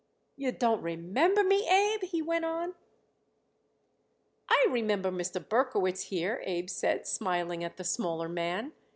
"You don't remember me, Abe?" he went on. "I remember Mr. Berkowitz here," Abe said, smiling at the smaller man.